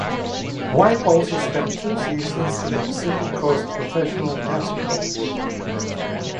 White also spent two seasons in the Pacific Coast Professional Basketball League.